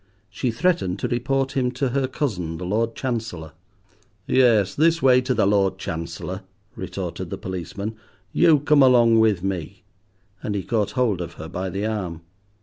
She threatened to report him to her cousin, the Lord Chancellor. "Yes; this way to the Lord Chancellor," retorted the policeman. "You come along with me;" and he caught hold of her by the arm.